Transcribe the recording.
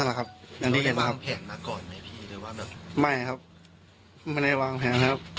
นั่นแหละครับอยู่ได้วางแผนมาก่อนไหมพี่หรือว่าแบบไม่ครับไม่ได้วางแผนครับ